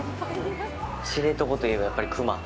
知床といえば、やっぱり熊。